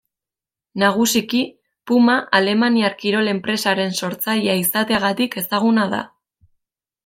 Nagusiki Puma alemaniar kirol enpresaren sortzailea izateagatik ezaguna da.